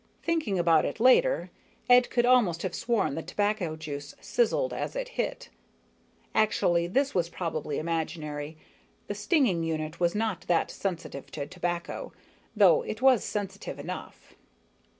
Thinking about it later, Ed could almost have sworn the tobacco juice sizzled as it hit. Actually, this was probably imaginary. The stinging unit was not that sensitive to tobacco, though it was sensitive enough.